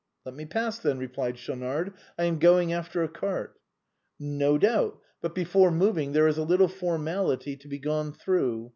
" Let me pass, then," replied Schaunard ;" I am going after a cart." " 'No doubt ; but before moving there is a little formality to be gone through.